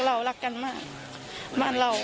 เรารักกันมากบ้านเรา